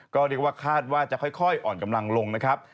ก็เรียกว่าคาดว่าจะค่อยอ่อนกำลังลงนะครับ